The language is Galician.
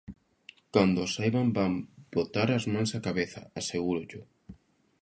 Cando o saiban van botar as mans á cabeza, asegúrollo.